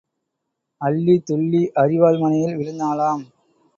அள்ளித் துள்ளி அரிவாள் மணையில் விழுந்தாளாம்.